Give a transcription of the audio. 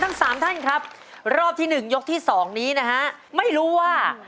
โอเคร้ายใหม่ครับ